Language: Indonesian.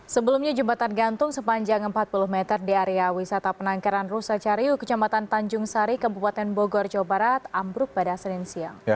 sebelumnya jembatan gantung sepanjang empat puluh meter di area wisata penangkaran rusa cariu kecamatan tanjung sari kebupaten bogor jawa barat ambruk pada senin siang